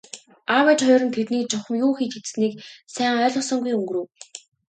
Аав ээж хоёр нь тэднийг чухам юу хийж идсэнийг сайн ойлгосонгүй өнгөрөв.